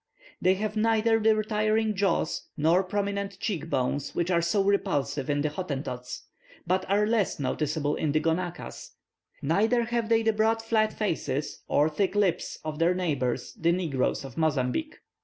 They have neither the retiring jaws nor prominent cheek bones which are so repulsive in the Hottentots, but are less noticeable in the Gonaquas, neither have they the broad flat faces and thick lips of their neighbours the negroes of Mozambique.